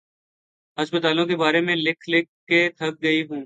ہسپتالوں کے بارے میں لکھ لکھ کے تھک گئے ہوں۔